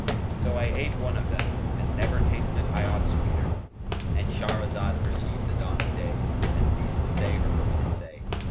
So I ate one of them and never tasted I aught sweeter.' "—And Shahrazad perceived the dawn of day and ceased to say her permitted say.